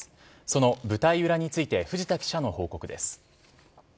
その舞台裏について、藤田記者の報告です。